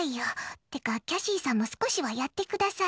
ってか、キャシーさんも少しはやってください。